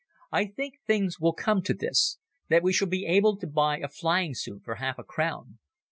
I think things will come to this, that we shall be able to buy a flying suit for half a crown.